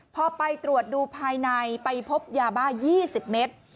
พอไปตรวจดูภายในไปพบยาบ้า๒๐เมตร